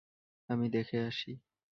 আমি দেখে আসি।